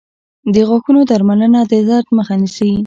• د غاښونو درملنه د درد مخه نیسي.